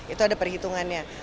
itu ada perhitungannya